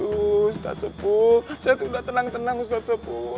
ustadz sepul saya sudah tenang tenang ustadz sepul